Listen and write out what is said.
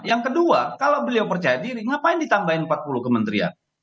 yang kedua kalau beliau percaya diri ngapain ditambahin empat puluh kementerian